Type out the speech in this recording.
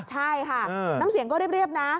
ใช่ค่ะน้ำเสียงก็เรียบนะ